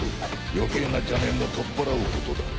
余計な邪念も取っ払うことだ。